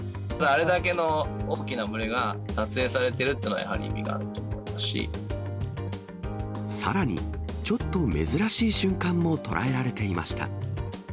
あれだけの大きな群れが撮影されてるというのは意味があると思いさらに、ちょっと珍しい瞬間も捉えられていました。